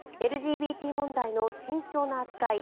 ＬＧＢＴ問題の慎重な扱い